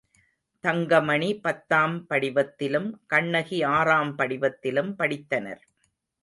தங்கமணி பத்தாம் படிவத்திலும், கண்ணகி ஆறாம் படிவத்திலும் படித்தனர்.